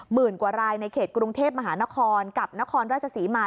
กว่ารายในเขตกรุงเทพมหานครกับนครราชศรีมา